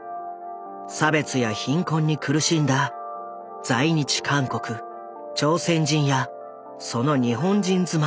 差別や貧困に苦しんだ在日韓国・朝鮮人やその日本人妻